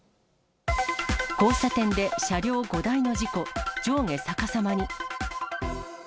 交差点で車両５台の事故、上下逆さまに。